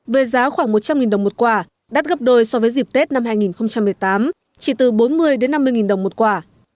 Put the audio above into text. về giá khoảng một trăm linh đồng một quả đắt gấp đôi so với dịp tết năm hai nghìn một mươi tám chỉ từ bốn mươi năm mươi đồng một quả